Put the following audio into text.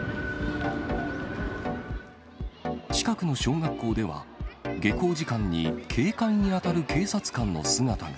近くの小学校では、下校時間に警戒に当たる警察官の姿が。